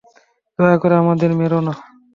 দয়া করে আমাদের মেরো না।